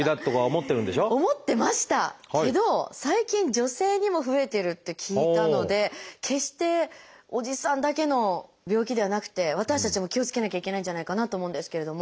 思ってましたけど最近女性にも増えてるって聞いたので決しておじさんだけの病気ではなくて私たちも気をつけなきゃいけないんじゃないかなと思うんですけれども。